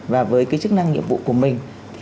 và với cái chức năng nhiệm vụ của mình